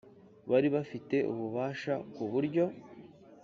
Bari bafite ububasha ku buryo